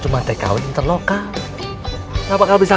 sama nanti saya mulai menengah bersih